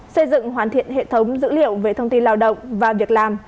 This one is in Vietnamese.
xây dựng hoàn thiện hệ thống dữ liệu về thông tin lao động và việc làm